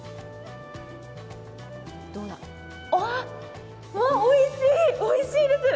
あ、おいしい、おいしいです。